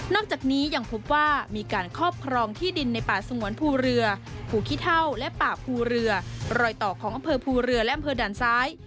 จากนี้ยังพบว่ามีการครอบครองที่ดินในป่าสงวนภูเรือภูขี้เท่าและป่าภูเรือรอยต่อของอำเภอภูเรือและอำเภอด่านซ้าย